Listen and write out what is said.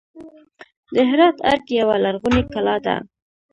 د هرات ارګ یوه لرغونې کلا ده